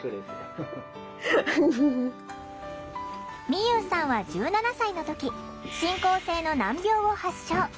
みゆうさんは１７歳の時進行性の難病を発症。